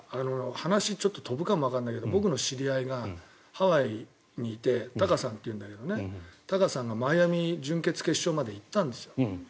話、ちょっと飛ぶかもわからないけど僕の知り合いがハワイにいてタカさんっていうんだけどタカさんがマイアミ準決、決勝まで行ったんですよ。